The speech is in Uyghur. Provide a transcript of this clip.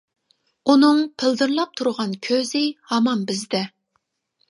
ئۇنىڭ پىلدىرلاپ تۇرغان كۆزى ھامان بىزدە.